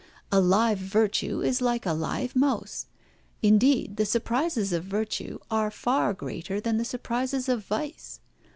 A live virtue is like a live mouse. Indeed the surprises of virtue are far greater than the surprises of vice.